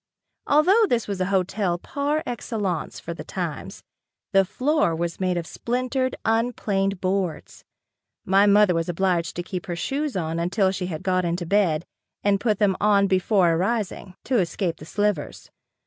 Although this was a hotel par excellence for the times, the floor was made of splintered, unplaned boards. My mother was obliged to keep her shoes on until she had got into bed and put them on before arising, to escape the slivers.